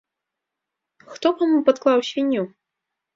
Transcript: Хто каму падклаў свінню?